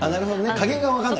加減が分からな